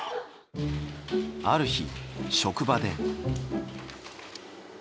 ある日職場で。